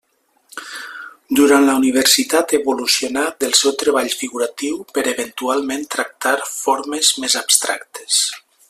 Durant la universitat evolucionà del seu treball figuratiu per eventualment tractar formes més abstractes.